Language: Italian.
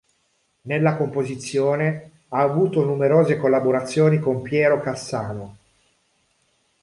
Nella composizione ha avuto numerose collaborazioni con Piero Cassano.